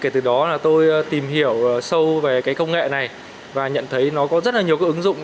tôi tìm hiểu sâu về cái công nghệ này và nhận thấy nó có rất là nhiều cái ứng dụng